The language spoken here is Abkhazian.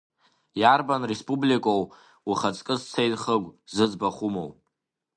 Иарбан республикоу, ухаҵкы сцеит Хыгә, зыӡбахә умоу?